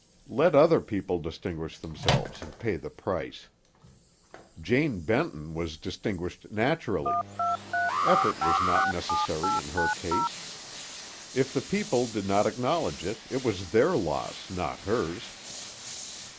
Let other people distinguish themselves and pay the price; Jane Benton was distinguished naturally effort was not necessary in her case. If the people did not acknowledge it, it was their loss, not hers.